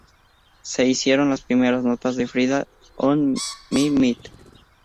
Se hicieron las primeras notas de Friday on My Mind"".